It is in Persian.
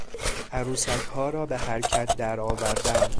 عروسکها را به حرکت درآوردن